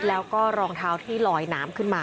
แล้วก็รองเท้าที่ลอยน้ำขึ้นมา